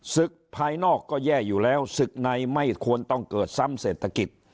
ภายนอกก็แย่อยู่แล้วศึกในไม่ควรต้องเกิดซ้ำเศรษฐกิจ